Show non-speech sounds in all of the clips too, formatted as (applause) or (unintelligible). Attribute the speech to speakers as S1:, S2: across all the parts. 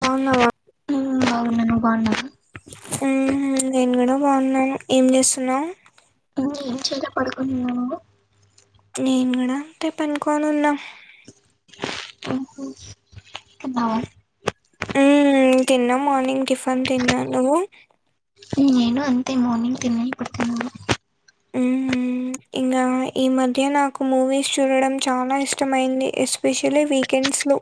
S1: బావున్నావా
S2: ఊ బాగున నువ్ బాగున్నవ
S1: ఊ నేను కూడా బాగున్నాను ఏం చేస్తున్నావ్
S2: ఇంకేం ఏం చేల పడుకునిన్నాను
S1: నేను కూడా అంతె పనుకోను ఉన్నా
S2: అబ
S1: మ్మ్, తిన్నా మార్నింగ్ టిఫన్ తిన్నా నువ్వు
S2: నేను అంతే మార్నింగ్ తిన్న ఇపుడు తిన్న (inaudible) (inaudible)
S1: మ్మ్, ఇంకా ఈ మధ్య నాకు మూవీస్ చూడడం చాలా ఇష్టమైంది ఇస్ స్పెషలీ వీకెండ్స్లో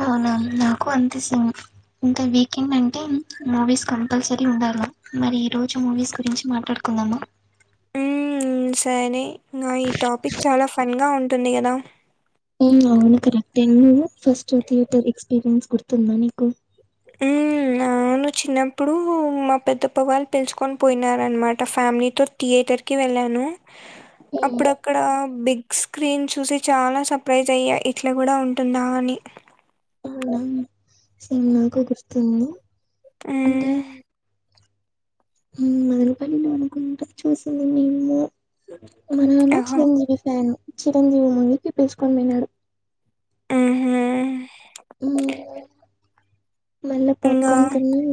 S2: అవునా నాకు అంతె సంగతి ఇంకా వీకెండ్ అంటే మూవీస్ కంపల్సరీ ఉండాల మరి ఈ రోజు మూవీస్ గురించి మాట్లాడుకుందామా
S1: ఉమ్ సరే ఇంగ ఈ టాపిక్ చాలా ఫన్గా ఉంటుంది కదా
S2: అవునవును కరెక్ట్ ఏ నువ్వు ఫస్ట్ థియటర్ ఎక్స్పీరియన్స్ గుర్తుంద నీకు
S1: ఊ నా ఆవును చిన్నప్పుడు మా పెద్దప్ప వాళ్ళు పిలుచుకొని పోయినారనమాట ఫ్యామిలీతో థియేటర్కి వెళ్ళాను
S2: (inaudible)
S1: అప్పుడు అక్ అక్కడ బిగ్ స్క్రీన్ చూసి చాలా సర్ప్రైజ్ అయ్యా ఇట్లా కూడా ఉంటుందా అని
S2: అవునవును చి నాకు గుర్తుంది
S1: ఆ
S2: ఊ మదనపల్లి లో అనుకుంటా చూసింది నిన్ను మా నాన్న
S1: ఆహా
S2: చిరంజీవి ఫ్యాన్ చిరంజీవి మూవీకి పిలుచుకొని పోయినాడు
S1: మ్హూ
S2: ఇంగ మళ్ళా పాప్
S1: ఇంగా
S2: కార్న్ కొన్నామ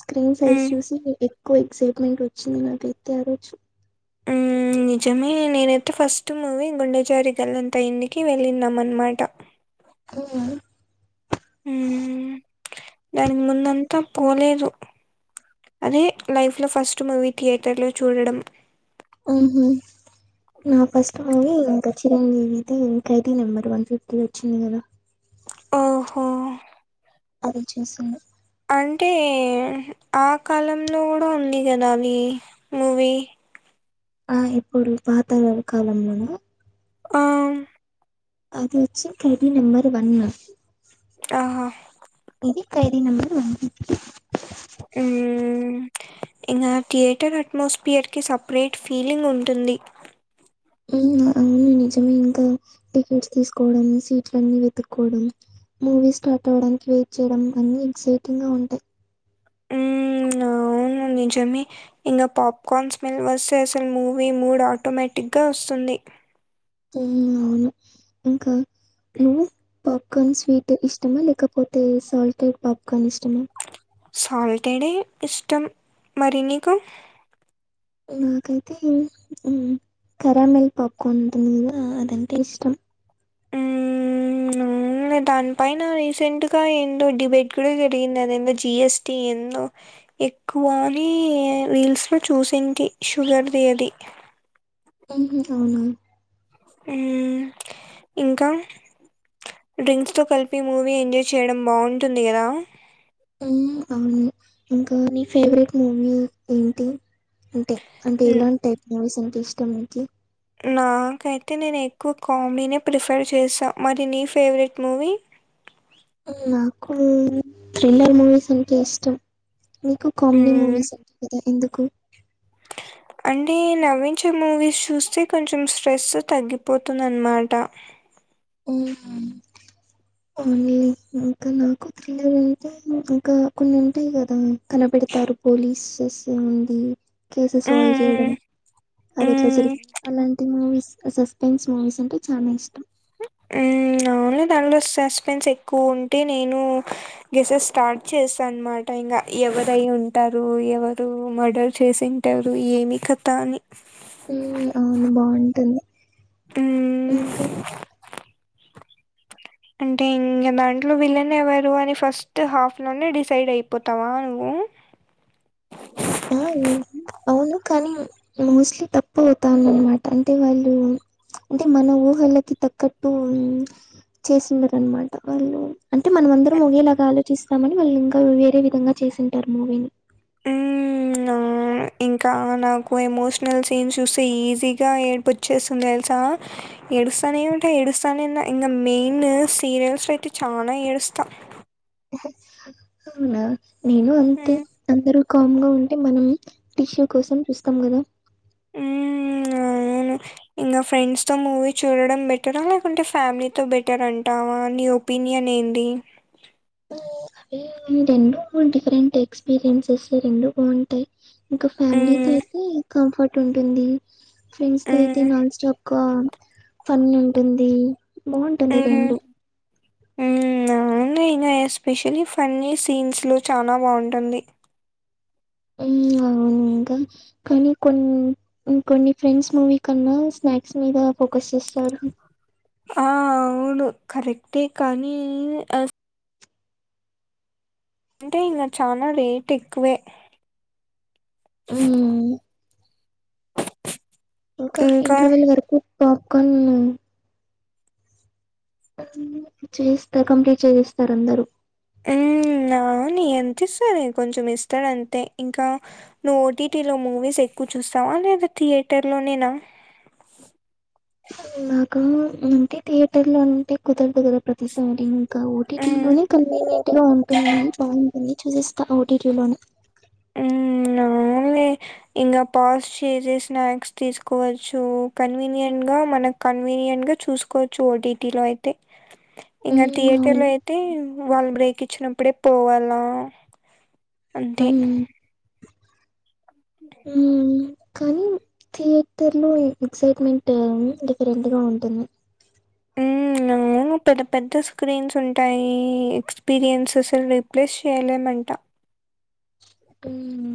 S2: స్క్రీన్ సైజ్
S1: మ్మ్
S2: చూసి ఎక్కువ ఎక్సైట్మెంట్ వచ్చింది నాకైతే ఆ రోజు
S1: మ్మ్ నిజమే నేనైతే ఫస్ట్ మూవీ గుండెజారి గల్లంతా అయ్యింది వెళ్లినం అనమాట
S2: ఊ ఉ
S1: ఊ దానికి ముందంతా పోలేదు అదే లైఫ్ లో ఫస్ట్ మూవీ థియేటర్ లో చూడడం
S2: ఉహు నా ఫస్ట్ మూవీ ఇంకా చిరంజీవిది ఖైదీ నెంబర్ వన్ ఫిఫ్టీ వచ్చింది కదా
S1: ఓహో
S2: ఆ రోజు చేసింది
S1: అంటే ఆ కాలంలో కూడా ఉంది కదా అది మూవీ
S2: ఆ ఇప్పుడు పాత లావుకాలంలోనా
S1: ఆ
S2: అది వచ్చి ఖైదీ నంబర్ వన్ ఆ
S1: ఆహా
S2: ఇది ఖైదీ నంబర్ వన్ ఫిఫ్టీ
S1: ఉమ్ ఇంకా థియేటర్ అట్మోస్ఫియర్ కి సపరేట్ ఫీలింగ్ ఉంటుంది
S2: అవును అన్ని నిజమే ఇంకా టికెట్స్ తీసుకోవడం సీట్లన్నీ వెతుక్కోవడం మూవీ స్టార్ట్ అవ్వడానికి వెయిట్ చేయడం అన్ని ఎక్సైటింగ్ గా ఉంటాయి
S1: ఉ అవును నిజమే ఇంకా పాప్కాన్ స్మెల్ వస్తే అసలు మూవీ మూడు ఆటోమేటిక్గా వస్తుంది
S2: ఊ అవును ఇంకా నువ్వు పాప్కార్న్ స్వీట్ ఇష్టమా లేకపోతే సాల్టెడ్ పాప్కార్న్ ఇష్టమా
S1: సాల్టెడే ఇష్టం మరి నీకు
S2: నాకైతే ఉ కరామెల్ పాప్కాన్ ఉంటుంది కదా అదంటే ఇష్టం
S1: నువ్వు దానిపైన రీసెంట్ గా ఎందో డిబేట్ కూడా జరిగింది అదేందో జిఎస్టి ఎందో ఎక్కువని రీల్స్ లు చూసింటి షుగర్ ది అది
S2: అవునా
S1: ఉమ్ ఇంకా డ్రింక్స్ తో కలిపి మూవీ ఎంజాయ్ చేయడం బాగుంటుంది కదా
S2: ఉమ్ అవును ఇంకా నీ ఫేవరెట్ మూవీ ఏంటి అంటే అంటే
S1: హ్మ్.
S2: ఎలాంటి టైప్ మూవీస్ అంటే ఇష్టం మీకి
S1: నాకైతే నేను ఎక్కువ కామెడీనే ప్రిఫర్ చేసా మరి నీ ఫేవరెట్ మూవీ
S2: నాకు థ్రిల్లర్ మూవీస్ అంటే ఇష్టం మీకు కామెడీ
S1: హ్మ్.
S2: మూవీస్ (unintelligible) కదా ఎందుకు
S1: అంటే నవ్వించే మూవీస్ చూస్తే కొంచెం స్ట్రెస్ తగ్గిపోతుందన్నమాట
S2: ఊహూ కొన్ని ఒగ్గు నాకు పిల్లలు ఉంటే ఇంకా కొన్ని ఉంటాయి కదా కనపెడతారు పోలీసేస్ ఉంది కేసెస్ సల్వ్ చేయడం
S1: హ్మ్.
S2: అది ఎట్లా
S1: హ్మ్.
S2: జరిగి అలాంటి మూవీస్ ఆ సస్పెన్స్ మూవీస్ అంటే చానా ఇష్టం
S1: ఊ అవన్లే దాంట్లో సస్పెన్స్ ఎక్కువ ఉంటే నేను గెసెస్ స్టార్ట్ చేసా అన్నమాట ఇగ ఎవరై ఉంటారు ఎవరు మర్డర్ చేసిన్ టరు ఏమి కథ అని
S2: మ్మ్ అవును బాగుంటుంది
S1: మ్
S2: ఇంకా
S1: అంటే ఇంకా దాంట్లో విలన్ ఎవరు అని ఫస్ట్ హాఫ్ లోనే డిసైడ్ అయి పోతావా నువ్వు
S2: ఆఊ అవును కానీ మోస్ట్లీ తప్పు అవుతాను. అన్నమాట అంటే వాళ్ళు అంటే మన ఊహలకి తగ్గట్టు ఉన్ చేసిండరు అన్నమాట వాళ్ళు. అంటే మనం అందరం ఒకేలాగా ఆలోచిస్తామని వాళ్ళు ఇంకా వేరే విధంగా చేసి పెట్టారు మూవీని
S1: హ్మ్. ఆ! ఇంకా నాకు ఎమోషనల్ సీన్స్ చూస్తే ఈజీగా ఏడ్పొచ్చేసింది తెలుసా? ఆ ఏడుస్తానే ఉంటా ఏడుస్తానే ఇంకా మెయిన్ సీరియల్స్ అయితే చాలా ఏడుస్తా.
S2: ఆహ అవునా నేను అంతే
S1: హ్మ్.
S2: అందరు కామ్గా ఉంటే మనం టిష్యూ కోసం చూస్తాం కదా?
S1: మ్ అవును ఇంకా ఫ్రెండ్స్ తో మూవీ చూడడం బెటరా? లేకుంటే ఫ్యామిలీతో బెటర్ అంటావా నీ ఒపి ఒపీనియన్ ఏంది?
S2: ఏ అవి రెండు డిఫరెంట్ ఎక్స్పీరియన్సెస్ రెండు బాగుంటాయి. ఇంక ఫ్యామిలీతో
S1: హ్మ్.
S2: అయితే కంఫర్ట్ ఉంటుంది. ఫ్రెండ్స్ తో అయితే
S1: హ్మ్.
S2: నాన్ స్టాప్ గా ఫన్నీ ఉంటుంది. బాగుంటుంది రెండు
S1: మ్ మ్మ అవును ఇంగ ఎస్పెషలీ ఫన్నీ సీన్స్లూ చానా బాగుంటుంది.
S2: మ్ అవును ఇంగ కానీ కొన్ని ఇంకొన్ని ఫ్రెండ్స్ మూవీ కన్నా స్నాక్స్ మీద ఫోకస్ చేస్తారు.
S1: ఆ అవును కరెక్టే కానీ ఆ అంటే ఇంకా చానా రేట్ ఎక్కువే
S2: మ్ ఇంకా ఇంటర్వెల్ వరకు పాప్కార్న్ తిన్నాం. చేయిస్తా కంప్లీట్ చేయిస్తారు అందరూ.
S1: మ్ అవును ఎంత ఇస్తారే కొంచెం ఇస్తాడు అంతే ఇంకా నువ్వు ఓటీటీలో మూవీస్ ఎక్కువ చూస్తావా లేదా థియేటర్లోనేనా?
S2: నాకు అంటే థియేటర్ లో అంటే కుదరదు కదా ప్రతిసండే ఇంకా ఓటీటీ
S1: మ్మ్
S2: లోనే కన్వీనియంట్ గా ఉంటుంది. బాగుంటుంది చూసేస్తా ఓటీటీ లోనే
S1: మ్మ్ అవునులే ఇంకా పాస్ చేసినా స్నాక్స్ తీసుకోవచ్చు కన్వీనియంట్గా మనకు కన్వీనియంంట్ గా చూసుకోవచ్చు ఓటీటీ లో అయితే ఇంకా
S2: హ్మ్.
S1: థియేటర్
S2: అవును.
S1: లో అయితే వాళ్ళు బ్రేక్ ఇచ్చినప్పుడే పోవాలా. అంతే
S2: హ్మ్. మ్ కానీ థియేటర్ లో ఎక్సైట్మెంట్ ఏమి ఎక్సైట్మెంట్ డిఫరెంట్ గా ఉంటుంది.
S1: హ్మ్ అవును పెద్ద పెద్ద స్క్రీన్స్ ఉంటాయి. ఎక్స్పీరియన్సెస్లు రీప్లేస్ చేయలేమంట.
S2: మ్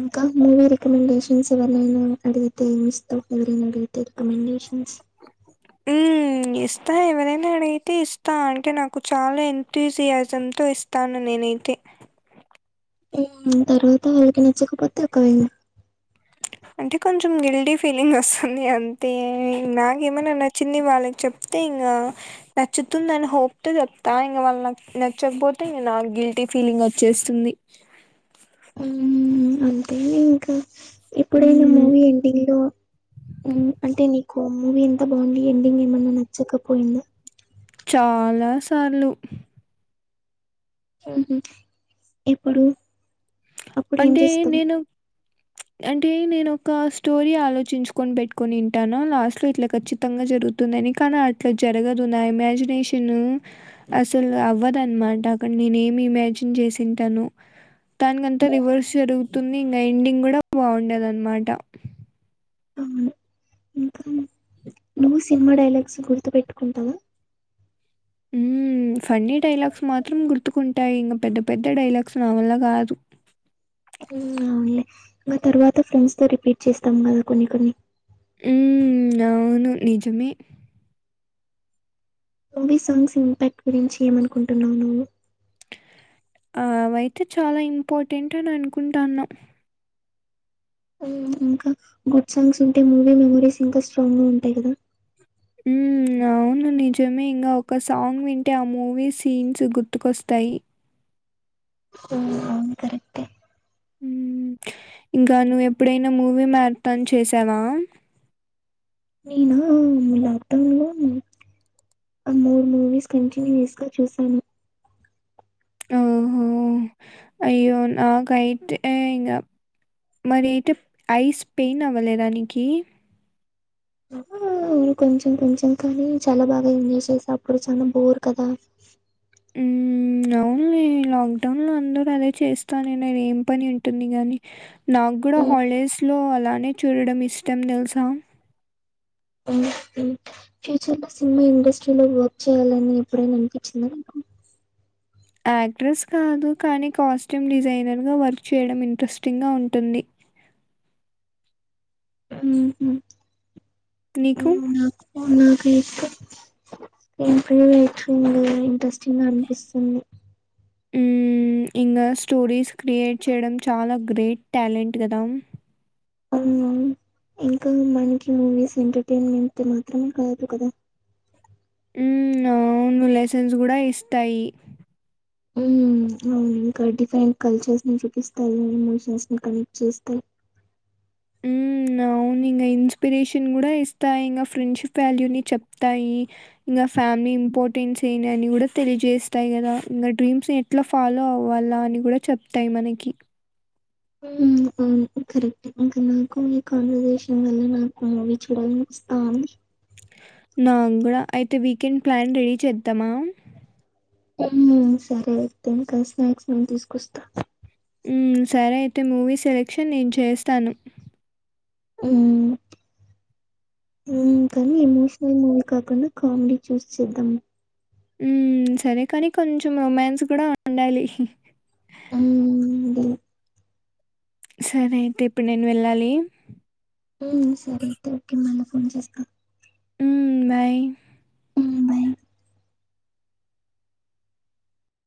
S2: ఇంకా మూవీ రికమెండేషన్స్ ఎవరైనా అడిగితే ఏం ఇస్తావ్ ఎవరైనా అడిగి రికమెండేషన్స్
S1: హ్మ్ ఇస్తా ఎవరైనా అడిగితే ఇస్తా అంటే నాకు చాలా ఎంతూసియాజంతో ఇస్ తాను నేనైతే
S2: హ్మ్ తరవాత వాళ్ళకి నచ్చకపోతే ఒకవేళ
S1: అంటే కొంచెం గిల్డీ ఫీలింగ్ వస్తుంది అంతే నాకేమైనా నచ్చింది వాళ్ళకి చెప్ తే ఇంగా నచ్చుతుందని హోప్ తో చెప్తా ఇంక వాళ్ళక్ నచ్చకపోతే ఇంగ నాకు గిల్ టీ ఫీలింగ్ వచ్చేస్తుంది
S2: హ్మ్ అంతేలే ఇంకా ఎప్పుడైనా
S1: హ్మ్
S2: మూవీ ఎండింగ్ లో మ్మ్ అంటే నీ కు మూవీ ఎంత బాగుంది ఎండింగ్ ఏమన్నా నచ్చకపోయింది
S1: చాలాసార్లు
S2: హ్మ్ ఎప్పుడు అప్పుడు ఏం
S1: అంటే
S2: చేస్తావు
S1: నేను ప్చ్ అంటే నేను ఒక స్టోరీ ఆలోచించుకొని పెట్టుకొని ఉంటాను లాస్ట్ లో ఇట్లా ఖచ్చితంగా జరుగు తుందని కానీ అట్లా జరగదు నా ఇమాజినేషను అస్సలు అవ్వదు అన్మాట అక్కడ నేను ఏమి ఇమాజిన్ చేసింటాను తనిగన్ తా
S2: ఉమ్,
S1: రివర్స్ జరుగుతుంది ఇంగ ఎండింగ్ కూడా బాగుండదు అన్మాట
S2: అవును ఇంకా నువ్వు సినిమా డైలాగ్స్ గుర్తు పెట్టుకుంటావా
S1: మ్మ్ ఫన్నీ డైలాగ్స్ మాత్రం గుర్తుకుంటాయి ఇంక పెద్ద పెద్ద డైలాగ్స్ నా వల్ల కాదు
S2: అవును అవునులే ఇంకా తర్వాత ఫ్రెండ్స్ తో రిపీట్ చేస్తాం కదా కొన్ని కొన్ని
S1: మ్మ్ అవును నిజమే
S2: మూవీ సాంగ్స్ ఇంపాక్ట్ గురించి ఏమనుకుంటున్నావు నువ్వు
S1: ఆ అవైతే చాలా ఇంపార్టెంట్ అని అనుకుంటాన్నా
S2: ఉమ్ ఇంకా గుడ్ సాంగ్స్ ఉంటే మూవీ మెమరీస్ ఇంకా స్ట్రాంగ్ గా ఉంటాయి కదా
S1: హ్మ్ అవు అవును నిజమే ఇంగా ఒక సాంగ్ వింటే ఆ మూవీ సీన్స్ గుర్తుకొస్తాయి
S2: హో అవును కరెక్
S1: హ్మ్ ఇంకా నువ్ ఎప్పుడైనా మూవీ మ్యారథాన్ చేసావా
S2: నేనా లాక్డౌన్ లో ఆ మూడు మూవీస్ కంటిన్యూస్ గా చూసాను
S1: ఓహో! అయ్యో నాకైతే ఇంగ మరి అయితే ఐస్ పెయిన్ అవ్వలేదా నీకి
S2: అవును కొంచెం కొంచెం కానీ చాలా బాగా ఎంజాయ్ చేసా అప్పుడు చాలా బోర్ కదా
S1: హ్మ్ అవున్లే లాక్డౌన్ లో అందరూ అదే చేస్తానినారు ఏం పని ఉంటుంది గాని నాక్కూడా హాలిడేస్లో అలానే చూడడం ఇష్టం తెలుసా
S2: మ్మ్ హ్మ్ ఫ్యూచర్ లో సినిమా ఇండస్ట్రీలో వర్క్ చేయాలని ఎప్పుడైనా అనిపించిందా నీకు
S1: యాక్ట్రెస్ కాదు కానీ కాస్ట్యూమ్ డిజైనర్గా వర్క్ చేయడం ఇంట్రెస్టింగ్ గా ఉంటుంది
S2: మ్మ్ హుం
S1: నీకు
S2: నా నాకు ఎక్కువ్ ఇంట్లోనే (unintelligible) ఇంట్రెస్టింగ్ అనిపిస్తుంది
S1: హ్మ్ ఇంకా స్టోరీస్ క్రియేట్ చేయడం చాలా గ్రేట్ టాలెంట్ కదా
S2: అ ఇంకా మనకి మూవీస్ ఎంటర్టైన్మెంట్ మాత్రమే కాదు కదా
S1: ఉమ్ అవును లైసెన్స్ కూడా ఇస్తాయి
S2: హ్మ్ అవును ఇంకా డిఫరెంట్ కల్చర్స్ ని చూపిస్తాయి ఎమోషన్స్ ని కనెక్ట్ చేస్తాయి
S1: హ్మ్. అవును ఇంక ఇన్స్పిరేషన్ కూడా ఇస్తాయి ఇంకా ఫ్రెండ్షిప్ వాల్యూని చెప్తాయి ఇంకా ఫ్యామిలీ ఇంపార్టెన్స్ ఏనా అని కూడా తెలియజేస్తాయి కదా ఇంకా డ్రీమ్స్ ఎట్ ఎట్లా ఫాలో అవ్వాలా అని కూడా చెప్తాయి మనకి
S2: అవును కరెక్ట్ ఇంకా నాకు ఈ కాన్వర్సేషన్ వల్ల నాకు మూవీ చూడాల ఆమ్
S1: నామ్ కూడా అయితే వీకెండ్ ప్లాన్ రెడీ చేద్దామా
S2: అవును సరే అయితేయిక స్నాక్స్ నేను తీసుకొస్తా
S1: హ్మ్ సరే అయితే మూవీ సెలెక్షన్ నేను చేస్తాను
S2: హ్మ్ హ్మ్ కానీ ఎమోషనల్ మూవ్ కాకుండా కామెడీ చూస్ చేద్దాం
S1: మ్ సరే కాని కొంచెం రొమాన్స్ కూడా ఉండాలి
S2: ఆ హ్మ్ (unintelligible)
S1: సరే అయితే ఇప్పుడు నేను వెళ్ళాలి
S2: హ్మ్ సరే అయితే ఓకె మళ్ళీ ఫోన్ చేస్తాను
S1: హ్మ్ బాయ్
S2: హ్మ్. బాయ్.